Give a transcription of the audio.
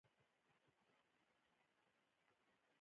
د زیمبابوې سیاسي او اقتصادي ماتې د اولیګارشۍ قانون انځور دی.